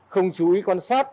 không chú ý quan sát